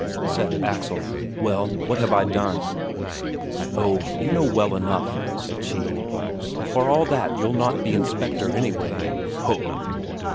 Said Axel: "Well, what have I done?" "Oh, you know well enough," said she. "But for all that you'll not be Inspector, anyway." "Ho!"